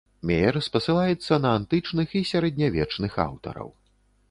Меер спасылаецца на антычных і сярэднявечных аўтараў.